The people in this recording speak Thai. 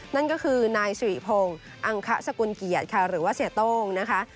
นั่นก็คือนายสิริพงศ์อังคสกุลเกียรติค่ะหรือว่าเสียโต้งนะคะ